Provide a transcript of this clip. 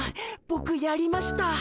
ボクやりました。